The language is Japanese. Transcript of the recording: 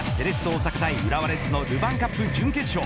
大阪対浦和レッズのルヴァンカップ準決勝。